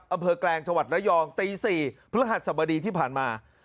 อำเภอกแกรงชวัดเล่ายองตี๔พระหัสสบดีที่ผ่านมา